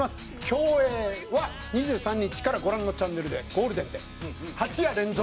競泳は２３日からご覧のチャンネルでゴールデンで８夜連続。